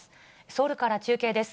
ソウルから中継です。